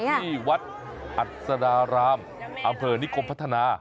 ที่วัดอัศดารามอำเภอนิคมพัฒนา